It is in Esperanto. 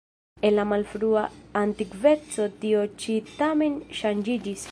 En la malfrua antikveco tio ĉi tamen ŝanĝiĝis.